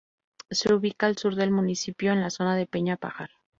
Se ubica al sur del municipio, en la zona de Peña Pajar.